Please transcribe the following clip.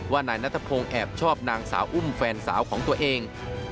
นายนัทพงศ์แอบชอบนางสาวอุ้มแฟนสาวของตัวเอง